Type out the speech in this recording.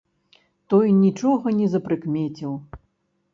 Той нічога не запрыкмеціў.